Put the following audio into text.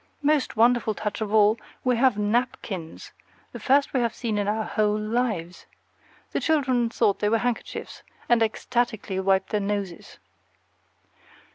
Most wonderful touch of all, we have NAPKINS, the first we have seen in our whole lives. The children thought they were handkerchiefs and ecstatically wiped their noses.